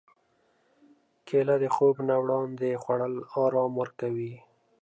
کېله د خوب نه وړاندې خوړل ارام ورکوي.